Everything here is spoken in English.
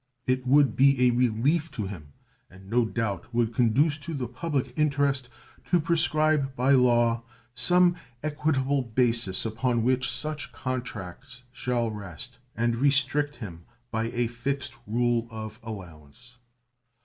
It would be a relief to him and no doubt would conduce to the public interest to prescribe by law some equitable basis upon which such contracts shall rest, and restrict him by a fixed rule of allowance.